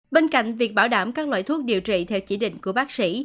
bên cạnh việc bảo đảm các loại thuốc điều trị theo chỉ định của bác sĩ